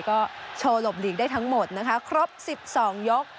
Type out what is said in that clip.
ก็โชว์หลบหลีกได้ทั้งหมดนะคะครบ๑๒ยก